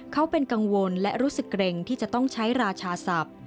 เขาเป็นกังวลและรู้สึกเกร็งที่จะต้องใช้ราชาศัพท์